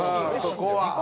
そこは。